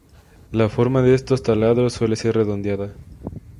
La forma de estos taladros suele ser redonda.